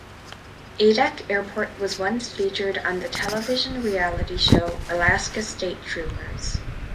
Adak Airport was once featured on the television reality show, Alaska State Troopers.